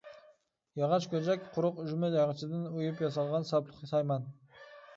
ياغاچ گۈرجەك قۇرۇق ئۈجمە ياغىچىدىن ئۇيۇپ ياسالغان ساپلىق سايمان.